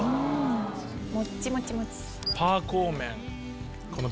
もっちもちもち。